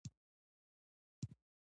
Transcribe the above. ناول د اندلسي شپانه زلمي کیسه کوي.